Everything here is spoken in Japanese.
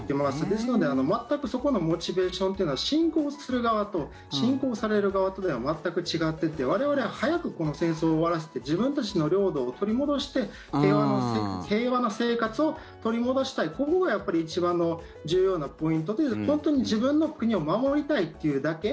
ですので、全くそこのモチベーションというのは侵攻する側と侵攻される側とでは全く違ってて我々は早くこの戦争を終わらせて自分たちの領土を取り戻して平和な生活を取り戻したいここが、やっぱり一番の重要なポイントという本当に自分の国を守りたいというだけ。